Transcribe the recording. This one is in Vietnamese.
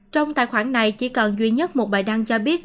trong tài khoản này chỉ còn duy nhất một bài đăng cho biết